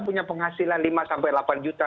punya penghasilan lima sampai delapan juta